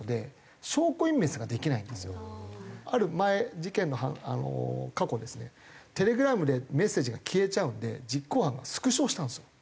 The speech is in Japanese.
ある前事件の過去ですねテレグラムでメッセージが消えちゃうので実行犯がスクショをしたんですよ。